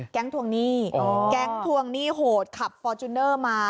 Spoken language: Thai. ทวงหนี้แก๊งทวงหนี้โหดขับฟอร์จูเนอร์มา